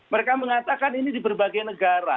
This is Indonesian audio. mereka mengatakan ini di berbagai negara